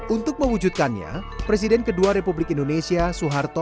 untuk mewujudkannya presiden kedua republik indonesia soeharto